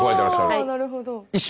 あなるほど。